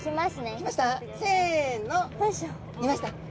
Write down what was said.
いました？